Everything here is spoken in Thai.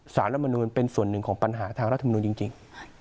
สารรัฐมนูลเป็นส่วนหนึ่งของปัญหาทางรัฐมนุนจริง